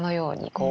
こう